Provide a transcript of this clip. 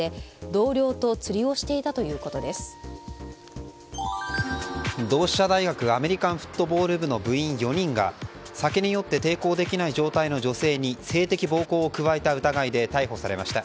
同志社大学アメリカンフットボール部の部員４人が酒に酔って抵抗できない状態の女性に性的暴行を加えた疑いで逮捕されました。